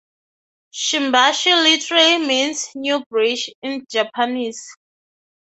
Shimbashi literally means "Newbridge" in Japanese.